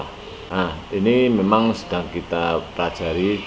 nah ini memang sedang kita pelajari